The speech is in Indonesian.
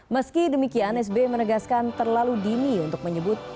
meski demikian sby menegaskan terlalu dini untuk menyebut